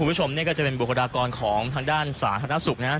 คุณผู้ชมนี่ก็จะเป็นบุคลากรของทางด้านสาธารณสุขนะครับ